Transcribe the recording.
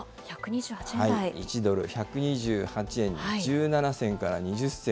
１ドル１２８円１７銭から２０銭。